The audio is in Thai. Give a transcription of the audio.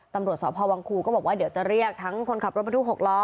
ตำรวจสพวังคูก็บอกว่าเดี๋ยวจะเรียกทั้งคนขับรถบรรทุก๖ล้อ